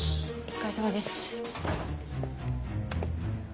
お疲れさまです。